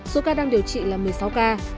số ca đang điều trị là một mươi sáu ca